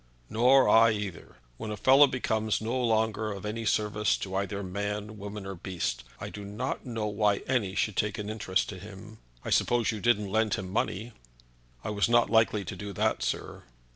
"Nor I either. When a fellow becomes no longer of any service to either man, woman, or beast, I do not know why any should take an interest in him. I suppose you didn't lend him money?" "I was not likely to do that, sir."